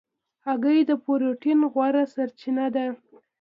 هګۍ د پروټین غوره سرچینه ده.